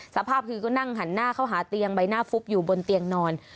สภาพคือก็นั่งหันหน้าเข้าหาเตียงใบหน้าฟุบอยู่บนเตียงนอน